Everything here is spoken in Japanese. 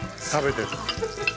食べてて。